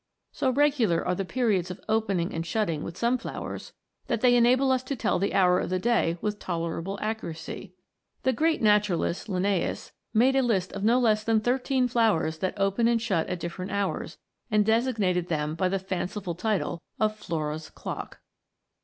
So regular are the periods of opening and shutting with some flowers, that they enable us to tell the hour of the day with tolerable accuracy. The great naturalist, Linnaeus, made a list of no less than thirteen flowers that open and shut at diffe rent hours, and designated them by the fanciful title of " Flora's clock."